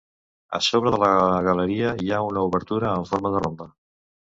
A sobre de la galeria hi ha una obertura amb forma de rombe.